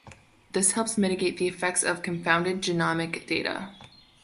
This helps mitigate the effects of confounded genomic data.